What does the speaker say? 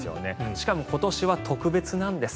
しかも今年は特別なんです。